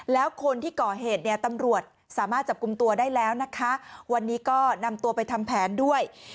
แล้วคนที่ก่อเหตุเนี่ยตำรวจสามารถจับกลุ่มตัวได้แล้วนะคะวันนี้ก็นำตัวไปทำแผนด้วย